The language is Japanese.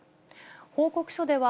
報告書では、